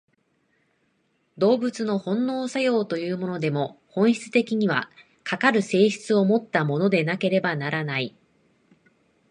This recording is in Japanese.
動物の本能作用というものでも、本質的には、かかる性質をもったものでなければならない。